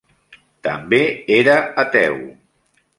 També era ateu.